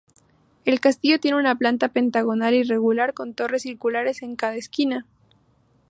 El castillo tiene una planta pentagonal irregular con torres circulares en cada esquina.